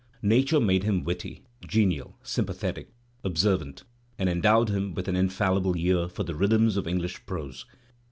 Nature made him witty, genial, sympathetic, observant, and endowed him with an infallible ear for the rhythms of English prose.